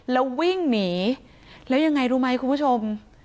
แล้ววิ่งหนีแล้วยังไงรู้ไหมคุณผู้ชม